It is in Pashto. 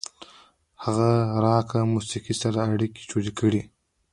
هغه د راک موسیقۍ سره اړیکې جوړې کړې.